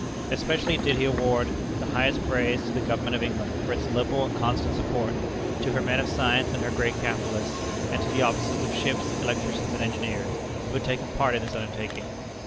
Especially did he award the highest praise to the government of England for its liberal and constant support; to her men of science and her great capitalists, and to the officers of ships, electricians and engineers, who had taken part in this undertaking.